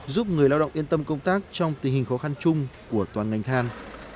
giúp người lao động yên tâm công tác trong tình hình khó khăn chung của toàn ngành than